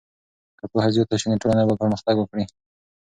که پوهه زیاته سي نو ټولنه به پرمختګ وکړي.